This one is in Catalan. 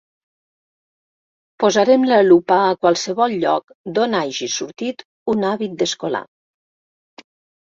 Posarem la lupa a qualsevol lloc d'on hagi sortit un hàbit d'escolà.